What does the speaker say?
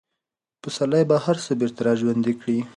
پسرلی به هر څه بېرته راژوندي کړي.